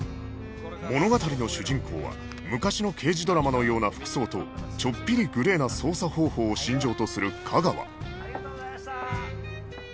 物語の主人公は昔の刑事ドラマのような服装とちょっぴりグレーな捜査方法を身上とする架川ありがとうございました。